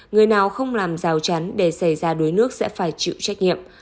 người nào không làm rào chắn để xảy ra đuối nước sẽ phải chịu trách nhiệm